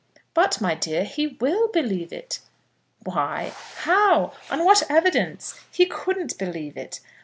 "But, my dear, he will believe it." "Why? How? On what evidence? He couldn't believe it.